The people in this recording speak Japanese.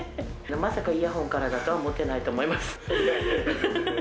まさかイヤホンからだとは思ってないと思います。